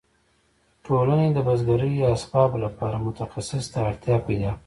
ټولنې د بزګرۍ اسبابو لپاره متخصص ته اړتیا پیدا کړه.